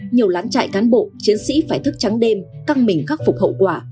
nhiều lán trại cán bộ chiến sĩ phải thức trắng đêm căng mình khắc phục hậu quả